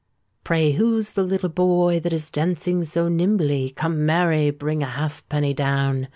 "Pray, who's the little boy that is dancing so nimbly? Come, Mary, bring a halfpenny down.